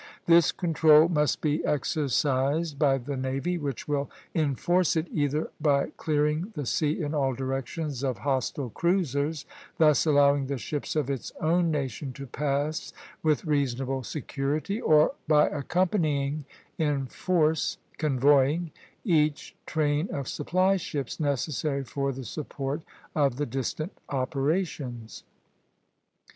This control must be exercised by the navy, which will enforce it either by clearing the sea in all directions of hostile cruisers, thus allowing the ships of its own nation to pass with reasonable security, or by accompanying in force (convoying) each train of supply ships necessary for the support of the distant operations.